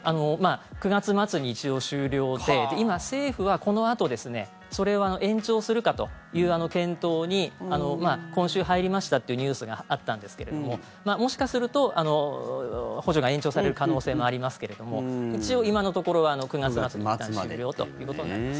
９月末に一応終了で政府はこのあとそれを延長するかという検討に今週、入りましたというニュースがあったんですがもしかすると補助が延長される可能性もありますが一応、今のところは９月末でいったん終了ということになります。